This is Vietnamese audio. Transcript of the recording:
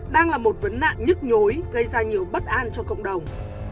đang là một vấn nạn nhức nhối gây ra nhiều bất an cho cộng đồng